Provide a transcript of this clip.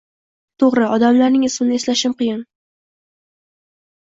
Toʻgʻri, odamlarning ismini eslashim qiyin.